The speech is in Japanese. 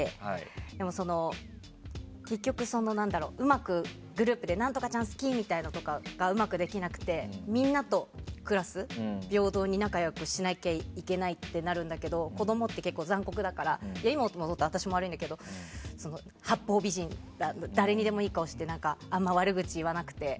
でも結局、うまくグループで何とかちゃん好き！とかがうまくできなくてみんなと、クラス平等に仲良くしなきゃいけないってなるんですけど子供って残酷だから今思うと私も悪いんだけど八方美人で誰にでもいい顔をして悪口言わなくて。